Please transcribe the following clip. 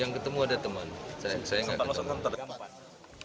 yang ketemu ada teman saya nggak ketemu